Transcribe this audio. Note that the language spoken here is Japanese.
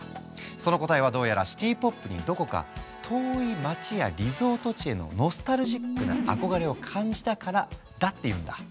その答えはどうやらシティ・ポップにどこか遠い街やリゾート地へのノスタルジックな憧れを感じたからだっていうんだ。